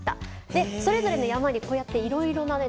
でそれぞれの山にこうやっていろいろなね